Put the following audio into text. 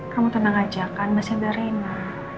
kamu tenang aja kan maksudnya reina